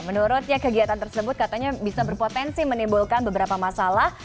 menurutnya kegiatan tersebut katanya bisa berpotensi menimbulkan beberapa masalah